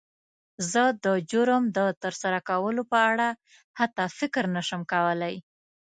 زه د جرم د تر سره کولو په اړه حتی فکر نه شم کولی.